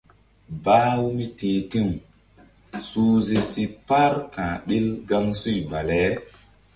Bah-u mí ti̧h ti̧w suhze si par ka̧h ɓil gaŋsuy bale.